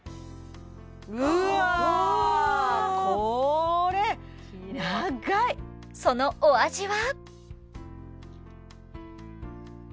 うわこれそのお味は？